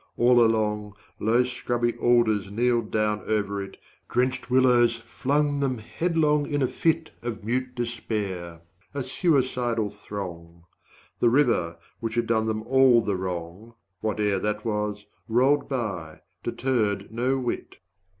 All along, 115 Low scrubby alders kneeled down over it; Drenched willows flung them headlong in a fit Of mute despair, a suicidal throng; The river which had done them all the wrong, Whate'er that was, rolled by, deterred no whit.